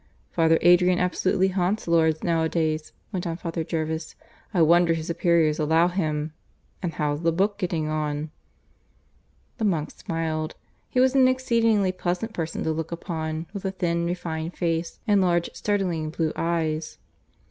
"Father Adrian absolutely haunts Lourdes nowadays," went on Father Jervis. "I wonder his superiors allow him. And how's the book getting on?" The monk smiled. He was an exceedingly pleasant person to look upon, with a thin, refined face and large, startlingly blue eyes.